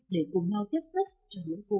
để cùng nhau tiếp xúc cho những cô gái tảng việt nam